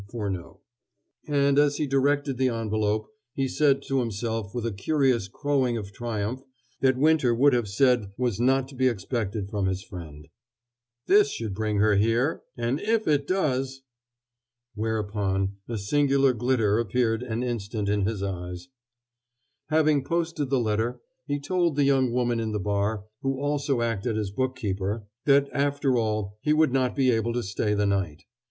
FURNEAUX. And, as he directed the envelope, he said to himself with a curious crowing of triumph that Winter would have said was not to be expected from his friend: "This should bring her here; and if it does !" Whereupon a singular glitter appeared an instant in his eyes. Having posted the letter, he told the young woman in the bar, who also acted as bookkeeper, that, after all, he would not be able to stay the night.